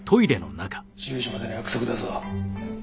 １０時までの約束だぞ。